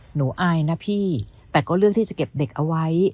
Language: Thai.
อายนะพี่แต่ก็เลือกที่จะเก็บเด็กเอาไว้